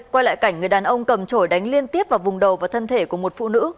quay lại cảnh người đàn ông cầm trổi đánh liên tiếp vào vùng đầu và thân thể của một phụ nữ